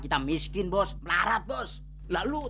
tidak harus bisa